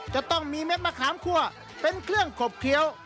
จะต้องมีเม็ดมะขามคั่วเป็นเครื่องขบเคี้ยว